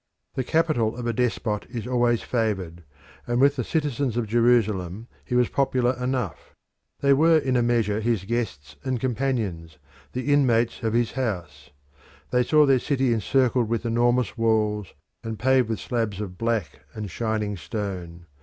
The capital of a despot is always favoured, and with the citizens of Jerusalem he was popular enough. They were in a measure his guests and companions, the inmates of his house. They saw their city encircled with enormous walls, and paved with slabs of black and shining stone.